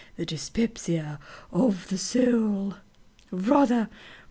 THE DYSPEPSIA OF THE SOUL "Rather